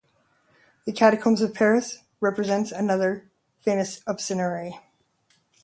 The Catacombs of Paris represents another famous ossuary.